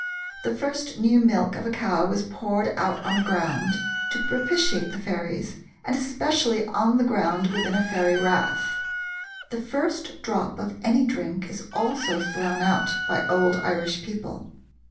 The first new milk of a cow was poured out on the ground to propitiate the fairies, and especially on the ground within a fairy rath. The first drop of any drink is also thrown out by old Irish people.